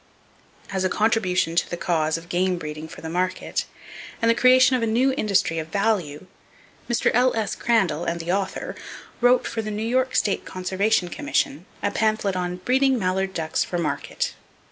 As a contribution to the cause of game breeding for the market, and the creation of a new industry of value, Mr. L.S. Crandall and the author wrote for the New York State Conservation Commission a pamphlet on "Breeding Mallard Ducks for Market."